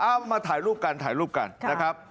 เอามาถ่ายรูปกันถ่ายรูปกันนะครับ